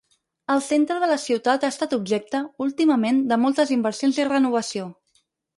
El centre de la ciutat ha estat objecte, últimament, de moltes inversions i renovació.